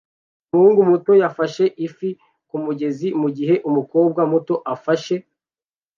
Umuhungu muto yafashe ifi kumugezi mugihe umukobwa muto afasha